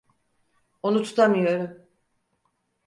Onu tutamıyorum.